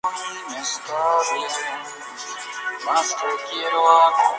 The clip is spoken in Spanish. Le dice que cuando llegó, ya estaban todos muertos.